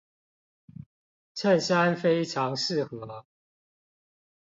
襯衫非常適合